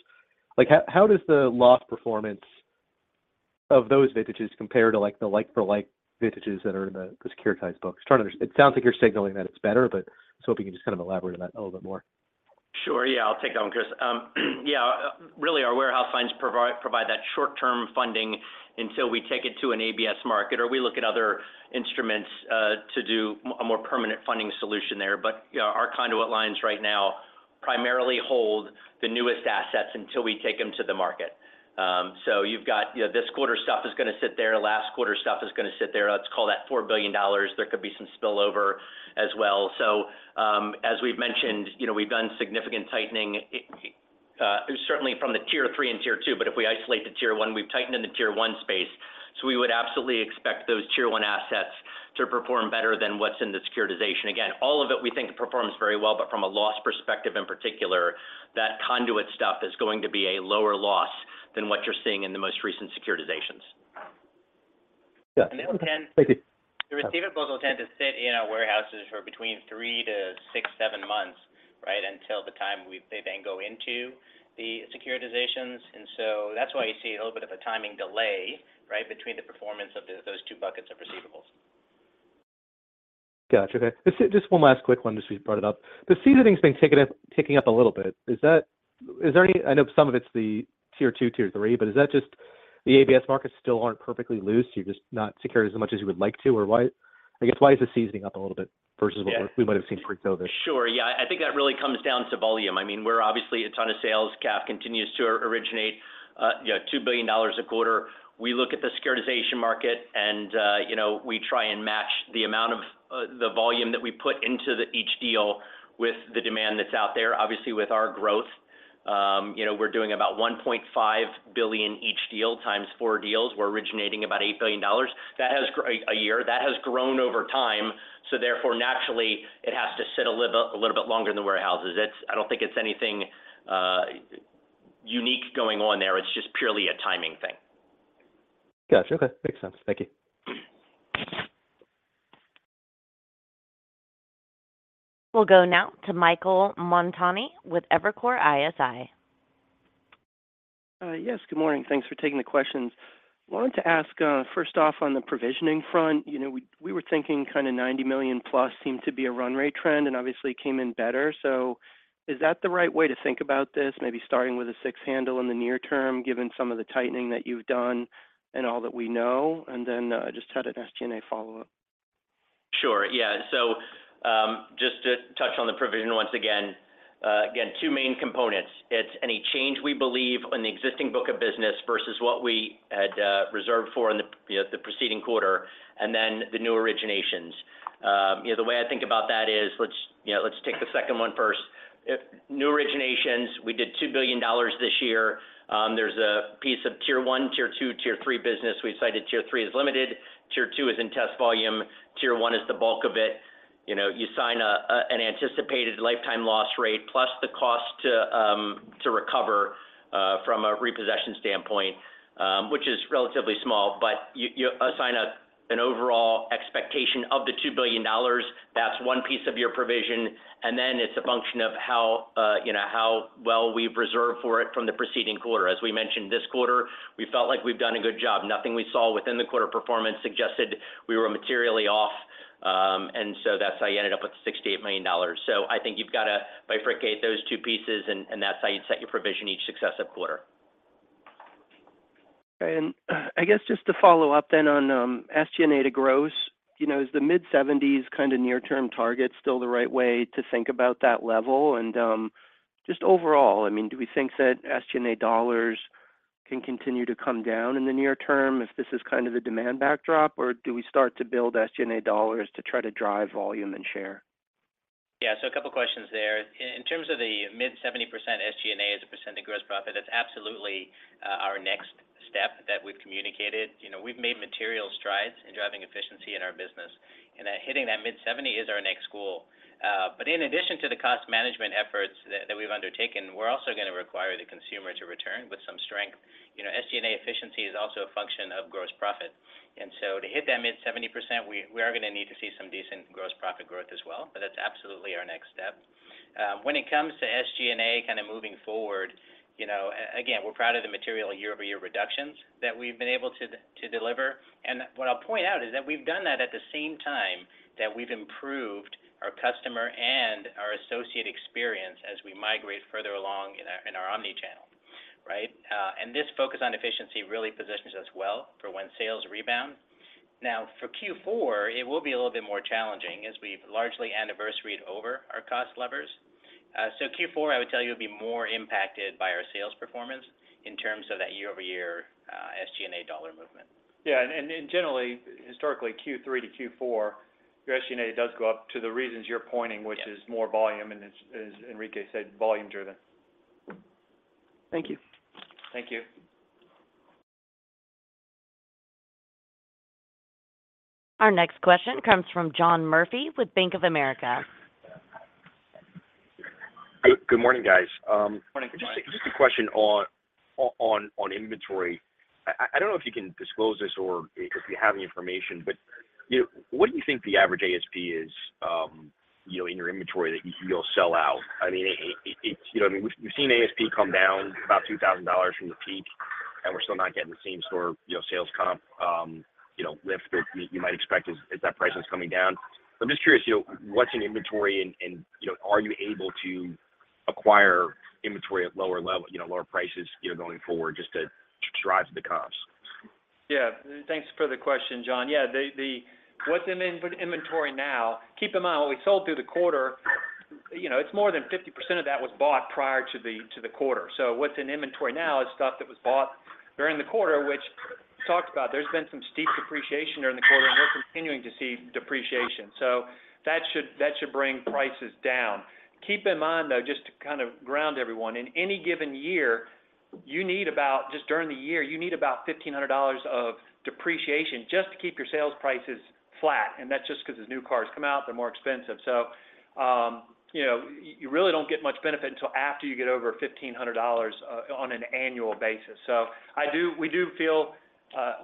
like, how does the loss performance of those vintages compare to, like, the like-for-like vintages that are in the securitized books? It sounds like you're signaling that it's better, but just hoping you can just kind of elaborate on that a little bit more. Sure. Yeah, I'll take that one, Chris. Yeah, really, our warehouse lines provide that short-term funding until we take it to an ABS market, or we look at other instruments to do a more permanent funding solution there. But, yeah, our conduit lines right now primarily hold the newest assets until we take them to the market. So you've got, you know, this quarter stuff is going to sit there, last quarter stuff is going to sit there. Let's call that $4 billion. There could be some spillover as well. So, as we've mentioned, you know, we've done significant tightening, certainly from the Tier 3 and Tier 2, but if we isolate the Tier 1, we've tightened in the Tier 1 space. So we would absolutely expect those Tier 1 assets to perform better than what's in the securitization. Again, all of it we think performs very well, but from a loss perspective, in particular, that conduit stuff is going to be a lower loss than what you're seeing in the most recent securitizations. Yeah. Thank you. The receivables will tend to sit in our warehouses for between three-six, seven months, right? Until the time they then go into the securitizations. So that's why you see a little bit of a timing delay, right, between the performance of those two buckets of receivables. Got you. Okay. Just one last quick one, just we brought it up. The seasoning has been ticking up a little bit. Is that— Is there any— I know some of it's the Tier 2, Tier 3, but is that just the ABS markets still aren't perfectly loose, you're just not securitizing as much as you would like to? Or why— I guess, why is the seasoning up a little bit versus what we might have seen previously? Sure. Yeah, I think that really comes down to volume. I mean, we're obviously a ton of sales. CAF continues to originate, you know, $2 billion a quarter. We look at the securitization market and, you know, we try and match the amount of, the volume that we put into each deal with the demand that's out there. Obviously, with our growth, you know, we're doing about $1.5 billion each deal times four deals. We're originating about $8 billion. That has grown over time, so therefore, naturally, it has to sit a little, a little bit longer in the warehouses. It's I don't think it's anything unique going on there. It's just purely a timing thing. Got you. Okay. Makes sense. Thank you. We'll go now to Michael Montani with Evercore ISI. Yes, good morning. Thanks for taking the questions. I wanted to ask, first off, on the provisioning front, you know, we, we were thinking kind of $90 million plus seemed to be a run rate trend and obviously came in better. So is that the right way to think about this, maybe starting with a six handle in the near term, given some of the tightening that you've done and all that we know? And then, I just had an SG&A follow-up. Sure. Yeah. So, just to touch on the provision once again. Again, two main components. It's any change we believe in the existing book of business versus what we had, reserved for in the, you know, the preceding quarter, and then the new originations. You know, the way I think about that is, let's, you know, let's take the second one first. If new originations, we did $2 billion this year. There's a piece of Tier 1, Tier 2, Tier 3 business. We've cited Tier 3 as limited, Tier 2 is in test volume, Tier 1 is the bulk of it. You know, you sign an anticipated lifetime loss rate, plus the cost to recover from a repossession standpoint, which is relatively small, but you assign an overall expectation of the $2 billion. That's one piece of your provision, and then it's a function of how, you know, how well we've reserved for it from the preceding quarter. As we mentioned this quarter, we felt like we've done a good job. Nothing we saw within the quarter performance suggested we were materially off. And so that's how you ended up with $68 million. So I think you've got to bifurcate those two pieces, and, and that's how you'd set your provision each successive quarter. I guess just to follow up then on SG&A to gross, you know, is the mid-seventies kind of near-term target still the right way to think about that level? Just overall, I mean, do we think that SG&A dollars can continue to come down in the near term if this is kind of the demand backdrop, or do we start to build SG&A dollars to try to drive volume and share?... Yeah, so a couple questions there. In terms of the mid-70% SG&A as a % of gross profit, that's absolutely our next step that we've communicated. You know, we've made material strides in driving efficiency in our business, and that hitting that mid-70 is our next goal. But in addition to the cost management efforts that we've undertaken, we're also gonna require the consumer to return with some strength. You know, SG&A efficiency is also a function of gross profit, and so to hit that mid-70%, we are gonna need to see some decent gross profit growth as well. But that's absolutely our next step. When it comes to SG&A, kind of moving forward, you know, again, we're proud of the material year-over-year reductions that we've been able to deliver. What I'll point out is that we've done that at the same time that we've improved our customer and our associate experience as we migrate further along in our, in our omni-channel, right? And this focus on efficiency really positions us well for when sales rebound. Now, for Q4, it will be a little bit more challenging, as we've largely anniversaried over our cost levers. So Q4, I would tell you, will be more impacted by our sales performance in terms of that year-over-year, SG&A dollar movement. Yeah, and generally, historically, Q3 to Q4, your SG&A does go up to the reasons you're pointing- Yeah... which is more volume, and as Enrique said, volume driven. Thank you. Thank you. Our next question comes from John Murphy with Bank of America. Good morning, guys. Good morning, John. Just a question on inventory. I don't know if you can disclose this or if you have any information, but, you know, what do you think the average ASP is, you know, in your inventory that you, you'll sell out? I mean, it's, you know what I mean? We've seen ASP come down about $2,000 from the peak, and we're still not getting the same store, you know, sales comp, you know, lift that you might expect as that price is coming down. So I'm just curious, you know, what's in inventory and, you know, are you able to acquire inventory at lower level, you know, lower prices, you know, going forward just to drive the comps? Yeah. Thanks for the question, John. Yeah, the- what's in inventory now, keep in mind, what we sold through the quarter, you know, it's more than 50% of that was bought prior to the quarter. So what's in inventory now is stuff that was bought during the quarter, which talked about. There's been some steep depreciation during the quarter, and we're continuing to see depreciation. So that should bring prices down. Keep in mind, though, just to kind of ground everyone, in any given year, you need about just during the year, you need about $1,500 of depreciation just to keep your sales prices flat, and that's just because the new cars come out, they're more expensive. So, you know, you really don't get much benefit until after you get over $1,500 on an annual basis. So we do feel,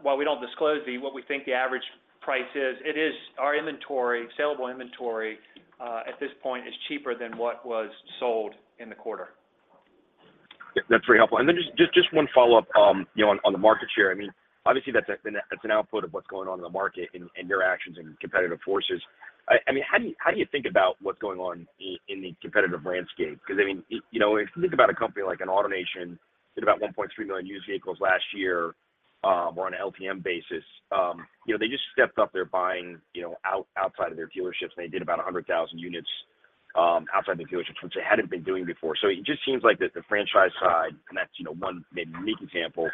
while we don't disclose what we think the average price is, it is our inventory, salable inventory at this point, is cheaper than what was sold in the quarter. That's very helpful. And then just one follow-up, you know, on the market share. I mean, obviously, that's an output of what's going on in the market and your actions and competitive forces. I mean, how do you think about what's going on in the competitive landscape? Because, I mean, you know, if you think about a company like AutoNation, did about 1.3 million used vehicles last year, or on an LTM basis. You know, they just stepped up their buying, you know, outside of their dealerships, and they did about 100,000 units outside the dealerships, which they hadn't been doing before. So it just seems like the franchise side, and that's, you know, one maybe unique example,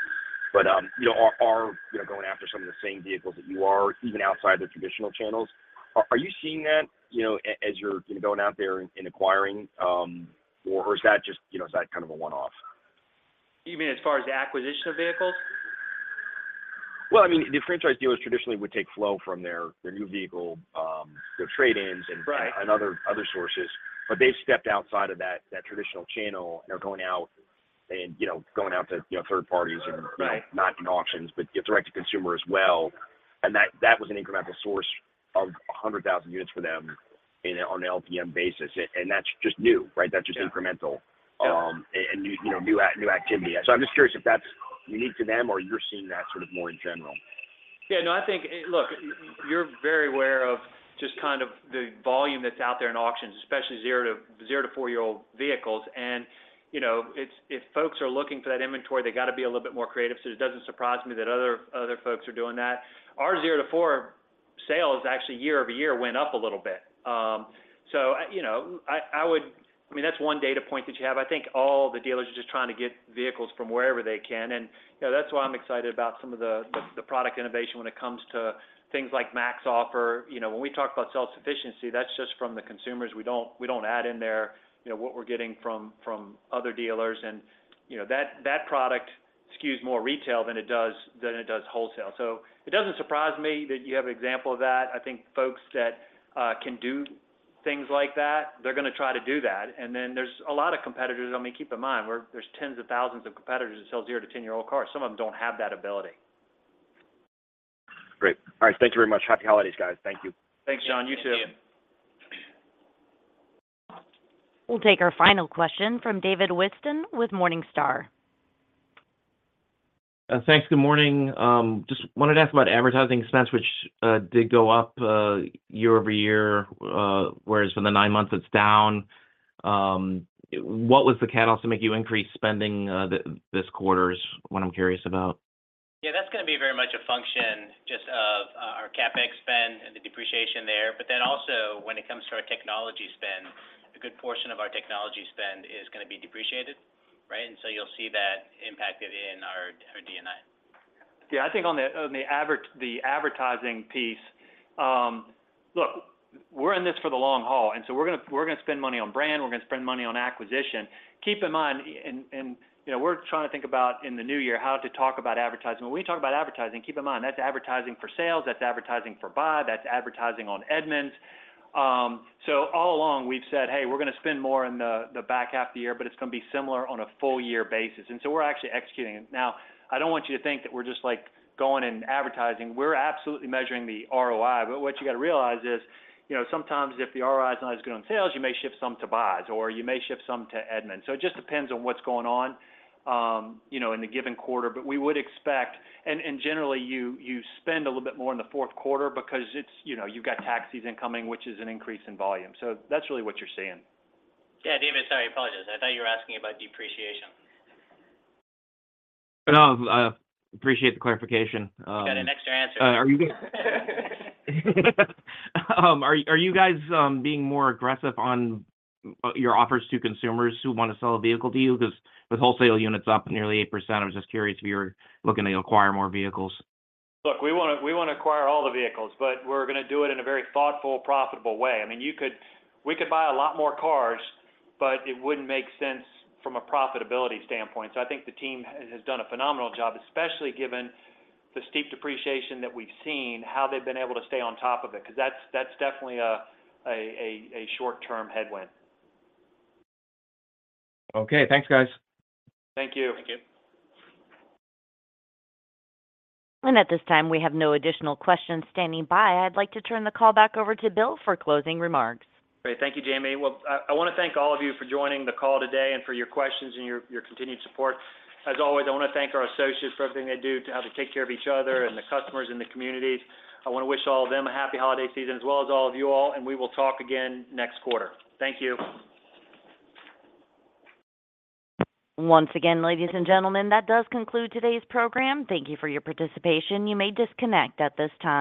but you know are, you know, going after some of the same vehicles that you are, even outside the traditional channels. Are you seeing that, you know, as you're, you know, going out there and acquiring, or is that just, you know, is that kind of a one-off? You mean as far as the acquisition of vehicles? Well, I mean, the franchise dealers traditionally would take flow from their, their new vehicle, their trade-ins and- Right... and other sources, but they've stepped outside of that traditional channel. They're going out and, you know, going out to, you know, third parties and- Right... not in auctions, but direct to consumer as well. And that, that was an incremental source of 100,000 units for them in on an LTM basis. And, and that's just new, right? Yeah. That's just incremental- Yeah... and, you know, new activity. So I'm just curious if that's unique to them or you're seeing that sort of more in general? Yeah, no, I think, look, you're very aware of just kind of the volume that's out there in auctions, especially 0-4-year-old vehicles. And, you know, it's if folks are looking for that inventory, they got to be a little bit more creative, so it doesn't surprise me that other folks are doing that. Our 0 to 4 sales, actually, year-over-year, went up a little bit. So, you know, I would—I mean, that's one data point that you have. I think all the dealers are just trying to get vehicles from wherever they can, and, you know, that's why I'm excited about some of the product innovation when it comes to things like MaxOffer. You know, when we talk about self-sufficiency, that's just from the consumers. We don't, we don't add in there, you know, what we're getting from, from other dealers. And, you know, that, that product skews more retail than it does, than it does wholesale. So it doesn't surprise me that you have an example of that. I think folks that can do things like that, they're gonna try to do that. And then there's a lot of competitors. I mean, keep in mind, there's tens of thousands of competitors that sell zero-to-ten-year-old cars. Some of them don't have that ability. Great. All right. Thank you very much. Happy holidays, guys. Thank you. Thanks, John. You too. We'll take our final question from David Whiston with Morningstar. Thanks. Good morning, just wanted to ask about advertising expense, which did go up year-over-year, whereas for the nine months it's down. What was the catalyst to make you increase spending this quarter, is what I'm curious about? Yeah, that's gonna be very much a function just of our CapEx spend and the depreciation there. But then also, when it comes to our technology spend, a good portion of our technology spend is gonna be depreciated, right? And so you'll see that impacted in our D&A. Yeah, I think on the advertising piece, look, we're in this for the long haul, and so we're gonna spend money on brand, we're gonna spend money on acquisition. Keep in mind, you know, we're trying to think about in the new year how to talk about advertising. When we talk about advertising, keep in mind, that's advertising for sales, that's advertising for buy, that's advertising on Edmunds. So all along we've said, "Hey, we're gonna spend more in the back half of the year, but it's gonna be similar on a full year basis." And so we're actually executing it. Now, I don't want you to think that we're just, like, going and advertising. We're absolutely measuring the ROI, but what you got to realize is, you know, sometimes if the ROI is not as good on sales, you may ship some to buys, or you may ship some to Edmunds. So it just depends on what's going on, you know, in the given quarter. But we would expect... And generally, you spend a little bit more in the fourth quarter because it's, you know, you've got tax season coming, which is an increase in volume. So that's really what you're seeing. Yeah, David, sorry, I apologize. I thought you were asking about depreciation. No, I appreciate the clarification. You got an extra answer. Are you, are you guys, being more aggressive on your offers to consumers who want to sell a vehicle to you? Because with wholesale units up nearly 8%, I was just curious if you were looking to acquire more vehicles. Look, we wanna acquire all the vehicles, but we're gonna do it in a very thoughtful, profitable way. I mean, you could, we could buy a lot more cars, but it wouldn't make sense from a profitability standpoint. So I think the team has done a phenomenal job, especially given the steep depreciation that we've seen, how they've been able to stay on top of it, because that's definitely a short-term headwind. Okay. Thanks, guys. Thank you. Thank you. At this time, we have no additional questions standing by. I'd like to turn the call back over to Bill for closing remarks. Great. Thank you, Jamie. Well, I wanna thank all of you for joining the call today and for your questions and your continued support. As always, I want to thank our associates for everything they do to take care of each other and the customers in the communities. I want to wish all of them a happy holiday season, as well as all of you all, and we will talk again next quarter. Thank you. Once again, ladies and gentlemen, that does conclude today's program. Thank you for your participation. You may disconnect at this time.